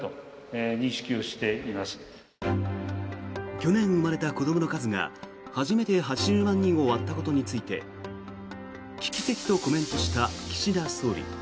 去年生まれた子どもの数が初めて８０万人を割ったことについて危機的とコメントした岸田総理。